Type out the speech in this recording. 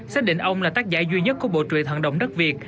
xác định ông là tác giả duy nhất của bộ truyện thần đồng đức việt